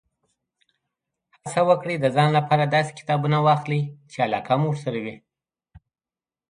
هڅه وکړئ، د ځان لپاره داسې کتابونه واخلئ، چې علاقه مو ورسره وي.